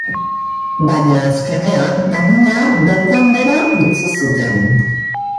Baina azkenean animea bertan behera utzi zuten.